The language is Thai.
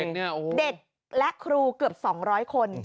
เด็กและครูเกือบ๒๐๐คน